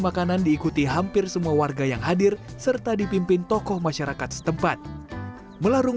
makanan diikuti hampir semua warga yang hadir serta dipimpin tokoh masyarakat setempat melarung